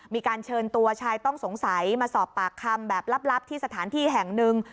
มีการเชิญตัวชายต้องสงสัยมาสอบปากคำแบบลับที่สถานที่แห่งหนึ่ง